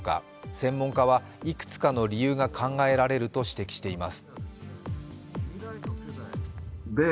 専門家はいくつかの理由が考えられると指摘しています。